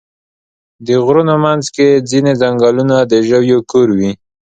د غرونو منځ کې ځینې ځنګلونه د ژویو کور وي.